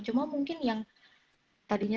cuma mungkin yang tadinya